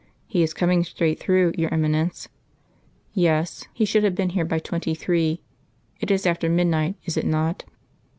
"He is coming straight through, your Eminence?" "Yes; he should have been here by twenty three. It is after midnight, is it not?"